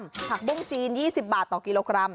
ผักบุ้งจีน๒๐บาทต่อกิโลกรัม